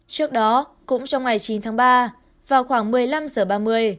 trước đó cũng trong ngày chín tháng ba vào khoảng một mươi năm h ba mươi